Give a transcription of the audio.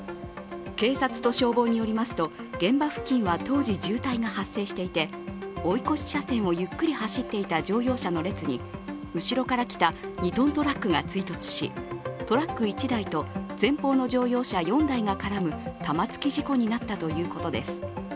警察と消防によりますと、現場付近は当時、渋滞が発生していて、追い越し車線をゆっくり走っていた乗用車の列に後ろから来た２ｔトラックが追突し、トラック１台と、前方の乗用車４台が絡む玉突き事故になったということです。